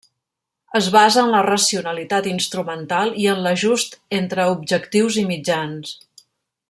Es basa en la racionalitat instrumental i en l'ajust entre objectius i mitjans.